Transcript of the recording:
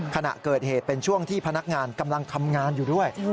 ขณะเกิดเหตุเป็นช่วงที่พนักงานกำลังทำงานอยู่ด้วย